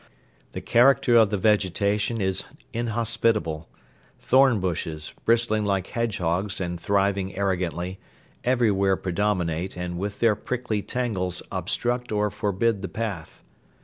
The character of the vegetation is inhospitable. Thorn bushes, bristling like hedgehogs and thriving arrogantly, everywhere predominate and with their prickly tangles obstruct or forbid the path.